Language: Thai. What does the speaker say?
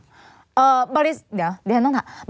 เดี๋ยวเดี๋ยวต้องถาม